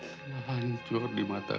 telah hancur di mataku